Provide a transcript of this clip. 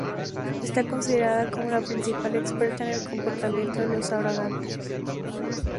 Está considerada como la principal experta en el comportamiento de los orangutanes.